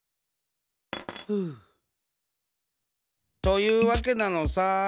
というわけなのさ。